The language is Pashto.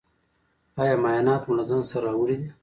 ایا معاینات مو له ځان سره راوړي دي؟